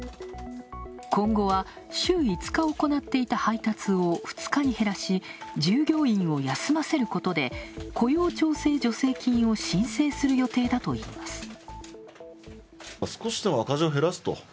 今後は週５日行っていた配達を２日に減らし従業員を休ませることで、雇用調整助成金を申請する予定だといいます。